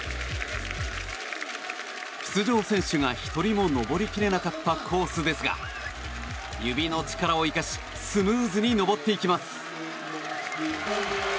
出場選手が１人も登り切れなかったコースですが、指の力を生かしスムーズに登っていきます。